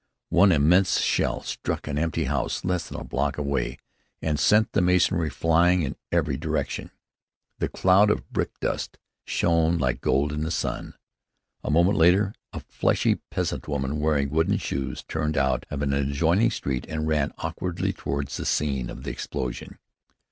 One immense shell struck an empty house less than a block away and sent the masonry flying in every direction. The cloud of brick dust shone like gold in the sun. A moment later, a fleshy peasant woman, wearing wooden shoes, turned out of an adjoining street and ran awkwardly toward the scene of the explosion.